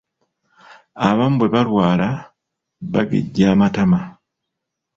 Abamu bwe balwala bagejja amatama.